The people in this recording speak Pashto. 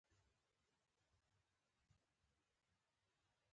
اناناس سربېره په جنوبي امریکا کې جغندر قند او کتان کرل کیږي.